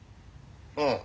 うん。